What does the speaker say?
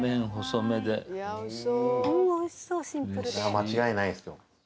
間違いないっすよ。